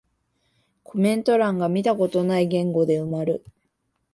コメント欄が見たことない言語で埋まる